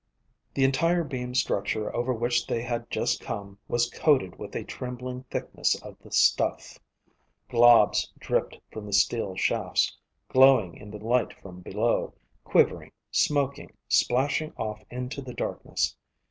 The entire beam structure over which they had just come was coated with a trembling thickness of the stuff. Globs dripped from the steel shafts, glowing in the light from below, quivering, smoking, splashing off into the darkness.